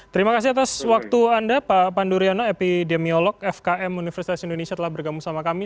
terima kasih atas waktu anda pak pandu riono epidemiolog fkm universitas indonesia telah bergabung sama kami